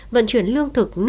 vận chuyển lương thực